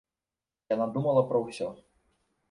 Яна думала пра ўсё.